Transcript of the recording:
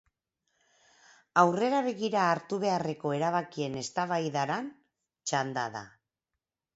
Aurrera begira hartu beharreko erabakien eztabaidaran txanda da.